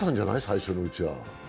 最初のうちは。